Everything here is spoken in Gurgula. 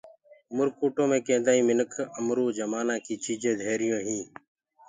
اُمرڪوٽو مي ڪيندآئين منک اُمرو جمآنآ ڪي چيجين ڌيريون هين